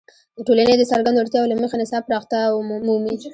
د ټولنې د څرګندو اړتیاوو له مخې نصاب پراختیا مومي.